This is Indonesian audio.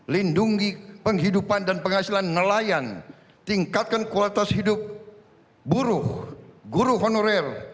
lindungi penghidupan dan penghasilan nelayan tingkatkan kualitas hidup buruh guru honorer